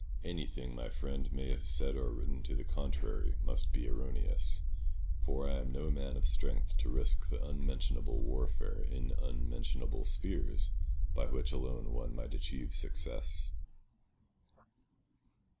Anything my friend may have said or written to the contrary must be erroneous, for I am no man of strength to risk the unmentionable warfare in unmentionable spheres by which alone one might achieve success.